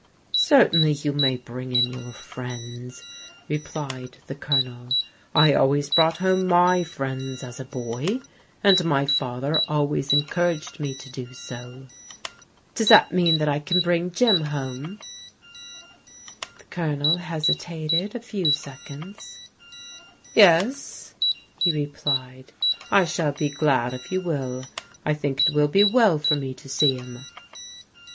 " Certainly you may bring in your friends," replied the Colonel. " I always brought home my friends, as a boy, and my father always encouraged me to do so." *• Does that mean that I can bring Jim 1[iome*i ^ 58 PBODIGAL DAU6HTEBS The Cokmd hesitated a few seconds. "Yes," he re plied. " I shall be glad if you wilL I think h will be well for me to see him."